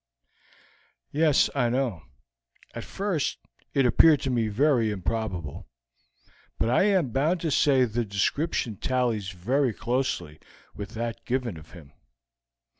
"Yes, I know. At first it appeared to me very improbable, but I am bound to say the description tallies very closely with that given of him.